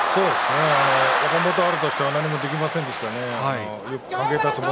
若元春としては何もできませんでしたね。